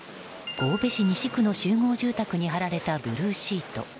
神戸市西区の集合住宅に張られたブルーシート。